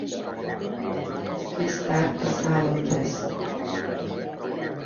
Més tard passà a Londres.